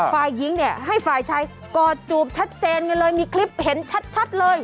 ฝ่ายหญิงเนี่ยให้ฝ่ายชายกอดจูบชัดเจนกันเลยมีคลิปเห็นชัดเลย